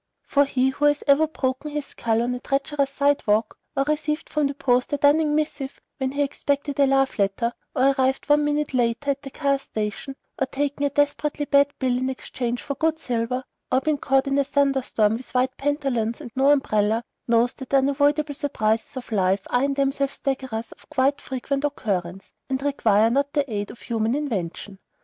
For he who has ever broken his skull on a treacherous sidewalk, or received from the post a dunning missive when he expected a love letter, or arrived one minute late at the car station, or taken a desperately bad bill in exchange for good silver, or been caught in a thunderstorm with white pantaloons and no umbrella, knows that the unavoidable surprises of life are in themselves staggerers of quite frequent occurrence, and require not the aid of human invention.